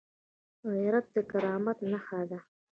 غیرت د کرامت نښه ده